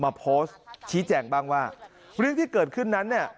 มาโพสต์ชี้แจงบ้างว่าเรื่องที่เกิดขึ้นนั้นเนี่ย